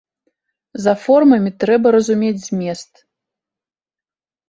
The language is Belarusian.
За формамі трэба разумець змест.